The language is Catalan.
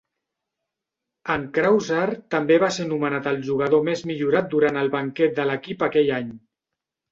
En Krauser també va ser nomenat el Jugador Més Millorat durant el banquet de l'equip aquell any.